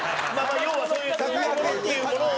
要は、そういう高いものっていうものを。